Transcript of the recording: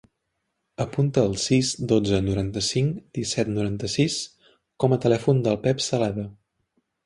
Apunta el sis, dotze, noranta-cinc, disset, noranta-sis com a telèfon del Pep Celada.